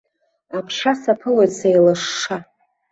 Аԥша саԥылоит сеилышша.